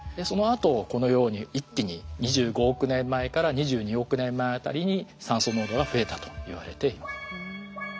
そのあとこのように一気に２５億年前から２２億年前辺りに酸素濃度が増えたといわれています。